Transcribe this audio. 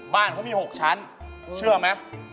บ้านเขามี๖ชั้นเชื่อมมั้ย